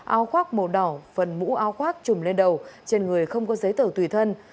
áo khoác màu đỏ phần mũ áo khoác trùm lên đầu trên người không có giấy tờ tùy thân